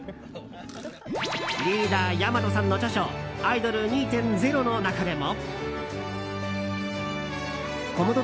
リーダー、やまとさんの著書「アイドル２．０」の中でも。